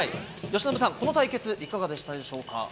由伸さん、この対決、いかがでしたでしょうか。